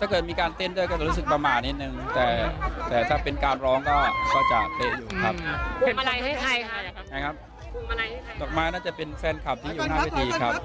จักรมายน่าจะเป็นแฟนคลับที่อยู่หน้าเวทีครับ